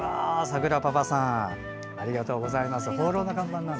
さくらパパさんありがとうございます。